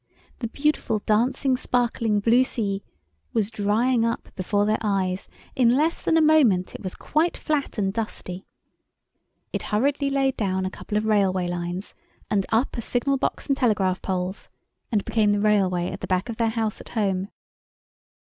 The beautiful dancing, sparkling blue sea was drying up before their eyes—in less than a moment it was quite flat and dusty. It hurriedly laid down a couple of railway lines, ran up a signal box and telegraph poles, and became the railway at the back of their house at home.